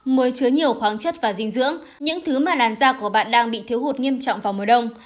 muối chứa nhiều khoáng chất và dinh dưỡng những thứ mà làn da của bạn đang bị thiếu hụt nghiêm trọng vào mùa đông